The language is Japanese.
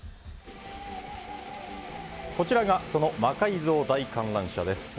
こちらがその魔改造大観覧車です。